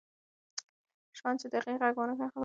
شاهان چې د هغې غم ونه کړ، ظالمان وو.